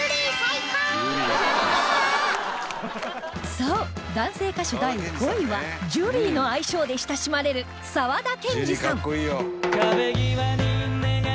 そう男性歌手第５位は「ジュリー」の愛称で親しまれる沢田研二さん